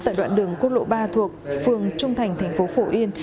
tại đoạn đường quốc lộ ba thuộc phường trung thành thành phố phổ yên